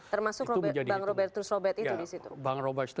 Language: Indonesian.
termasuk bank robert trussrobet itu disitu